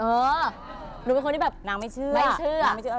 เออหนูเป็นคนที่แบบนางไม่เชื่อ